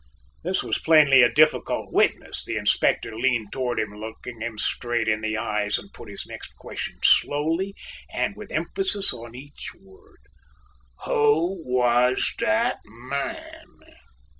This was plainly a difficult witness. The Inspector leaned toward him, looking him straight in the eyes, and put his next question slowly and with emphasis on each word. "Who was that man?"